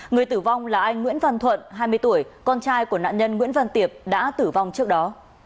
người tử vong là anh nguyễn văn thuận hai mươi tuổi con trai của nạn nhân nguyễn văn tiệp đã tử vong trước đó